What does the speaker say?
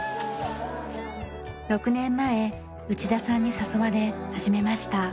６年前内田さんに誘われ始めました。